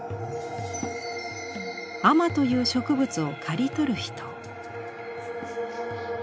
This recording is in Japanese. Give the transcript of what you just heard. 亜麻という植物を刈り取る人。